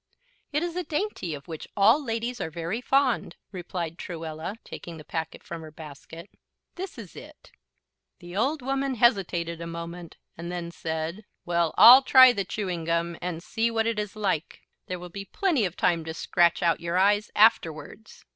"It is a dainty of which all ladies are very fond," replied Truella, taking the packet from her basket. "This is it." The old woman hesitated a moment, and then said: "Well, I'll try the chewing gum and see what it is like; there will be plenty of time to scratch out your eyes afterwards."